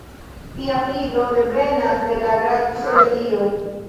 Tia fido devenas de la graco de Dio.